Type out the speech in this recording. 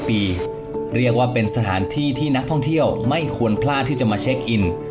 เรียกว่าเป็นสถานที่ที่นักท่องเที่ยวไม่ควรพลาดที่จะมาเช็คอิน